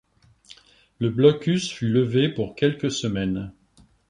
Le blocus fut levé pour quelques semaines.